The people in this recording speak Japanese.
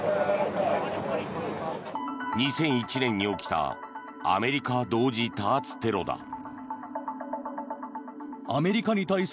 ２００１年に起きたアメリカ同時多発テロだ。